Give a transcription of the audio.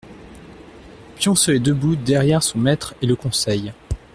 Pionceux est debout derrière son maître et le conseille.